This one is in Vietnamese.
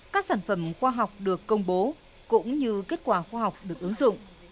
các sản phẩm khoa học được công bố cũng như kết quả khoa học được ứng dụng